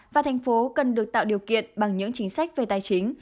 và thành phố cần được tạo điều kiện bằng những chính sách về tài chính